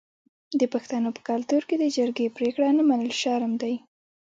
د پښتنو په کلتور کې د جرګې پریکړه نه منل شرم دی.